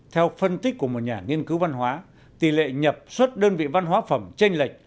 theo phân tích của một nhà nghiên cứu văn hóa tỷ lệ nhập xuất đơn vị văn hóa phẩm tranh lệch